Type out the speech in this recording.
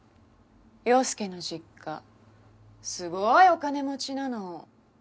陽佑の実家すごいお金持ちなの。